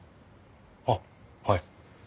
あっはい。